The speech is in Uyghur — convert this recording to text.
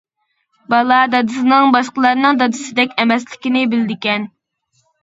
بالا دادىسىنىڭ باشقىلارنىڭ دادىسىدەك ئەمەسلىكىنى بىلىدىكەن.